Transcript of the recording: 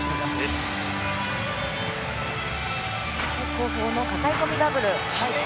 後方の抱え込みダブル。